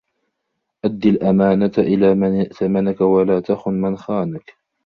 أَدِّ الْأَمَانَةَ إلَى مَنْ ائْتَمَنَك وَلَا تَخُنْ مَنْ خَانَك